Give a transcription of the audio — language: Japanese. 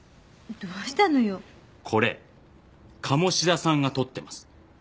これ鴨志田さんが撮ってます。